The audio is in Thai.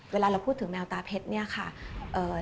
เวลาเราพูดถึงแมวตาเพชร